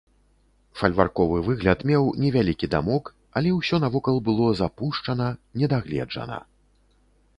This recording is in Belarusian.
Фальварковы выгляд меў невялікі дамок, але ўсё навокал было запушчана, не дагледжана.